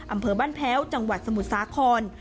อำเภอบ้านแพ้วจังหวัดสมุทรสาคร